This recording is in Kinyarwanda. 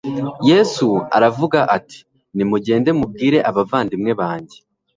Yesu aravuga ati : "Nimugende mubwire abavandimwe banjye